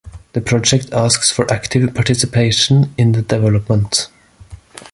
The project asks for active participation in the development.